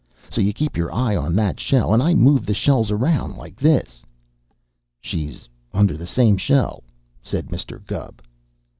So you keep your eye on that shell, and I move the shells around like this " "She's under the same shell," said Mr. Gubb.